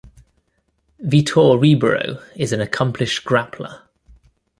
Vitor Ribeiro is an accomplished grappler.